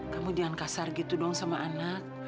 kamu jangan kasar gitu doang sama anak